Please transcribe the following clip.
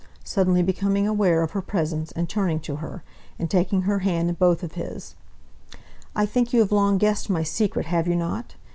suddenly becoming aware of her presence, and turning to her, and taking her hand in both of his, "I think you have long guessed my secret, have you not?